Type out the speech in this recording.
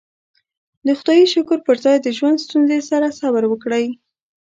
د خدايې شکر پر ځای د ژوند ستونزې سره صبر وکړئ.